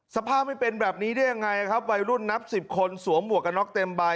สภาพไม่เป็นแบบนี้ได้ยังไงครับวัยรุ่นนับสิบคนสวมหมวกกันน็อกเต็มใบ